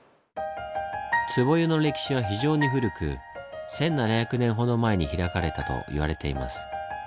つぼ湯の歴史は非常に古く１７００年ほど前に開かれたと言われています。